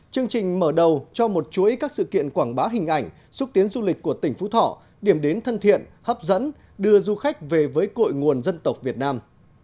chương trình mở đầu cho một chuỗi các sự kiện quảng bá hình ảnh xúc tiến du lịch của tỉnh phú thọ điểm đến thân thiện hấp dẫn đưa du khách về với cội nguồn dân tộc việt nam